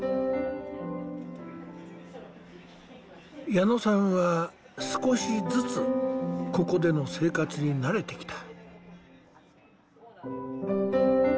矢野さんは少しずつここでの生活に慣れてきた。